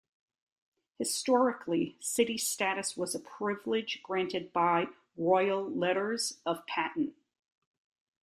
Historically, city status was a privilege granted by royal letters of patent.